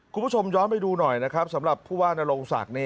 คุณผู้ชมย้อนไปดูหน่อยนะครับสำหรับผู้ว่านโรงศักดิ์